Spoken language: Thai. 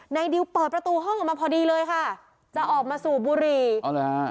นายดิวเปิดประตูห้องออกมาพอดีเลยค่ะจะออกมาสู่บุรีเอาแล้ว